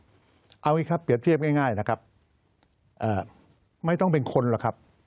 เอาอย่างนี้ครับเปรียบเทียบง่ายนะครับไม่ต้องเป็นคนหรอกครับ